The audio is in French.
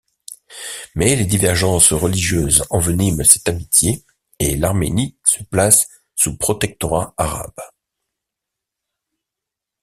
Mais les divergences religieuses enveniment cette amitié et l'Arménie se place sous protectorat arabe.